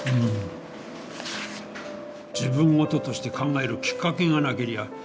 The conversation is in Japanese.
自分ごととして考えるきっかけがなけりゃ